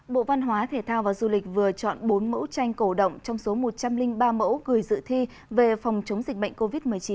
bộ văn hóa thể thao và du lịch vừa chọn bốn mẫu tranh cổ động trong số một trăm linh ba mẫu gửi dự thi về phòng chống dịch bệnh covid một mươi chín